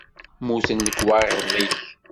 Mmuten lekwaɣeḍ-ik?